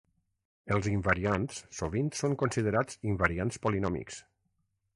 Els invariants sovint són considerats "invariants polinòmics".